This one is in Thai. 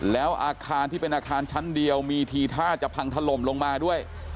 แล้วอาคารที่เป็นอาคารชั้นเดียวมีทีท่าจะพังถล่มลงมาด้วย